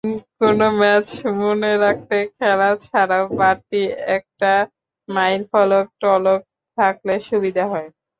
কোনো ম্যাচ মনে রাখতে খেলা ছাড়াও বাড়তি একটা মাইলফলক-টলক থাকলে সুবিধা হয়।